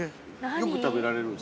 よく食べられるんですか？